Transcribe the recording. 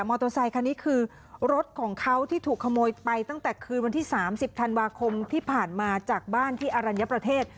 อเตอร์ไซคันนี้คือรถของเขาที่ถูกขโมยไปตั้งแต่คืนวันที่๓๐ธันวาคมที่ผ่านมาจากบ้านที่อรัญญประเทศ